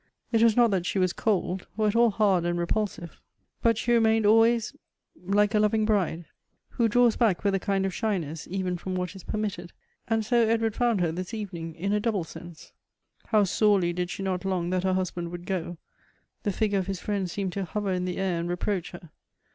It was not that she was cold, or at all hard and repulsive, but she remained alwaysj ike a lovi ng biTidc, who draws back with a kind of shyness even from what is permitted. And so Ed ward found her this evening, in a double sense. How sorely did she not long that her husband would go ; the figure of his friend seemed to hover in the air and reproach her.